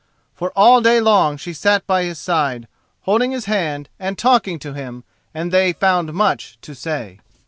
For all day long she sat at his side, holding his hand and talking to him, and they found much to say.